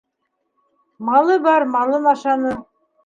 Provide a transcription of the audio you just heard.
Малы бар малын ашаны.